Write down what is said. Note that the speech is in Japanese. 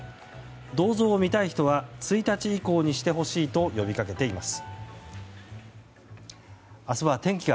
銅像を見たい人は１日以降にしてほしいと呼びかけています。